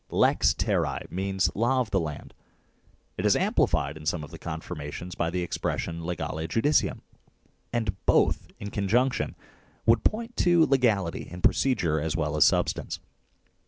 " Lex terrae " means the law of the land. It is amplified in some of the confirmations by the ex pression " legale judicium," and both in conjunction would point to legality in procedure as well as in substance.